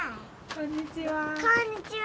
こんにちは。